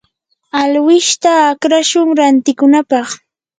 alwishta akrashun rantikunapaq.